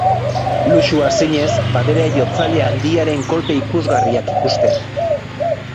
Luxua, zinez, bateria-jotzaile handiaren kolpe ikusgarriak ikustea.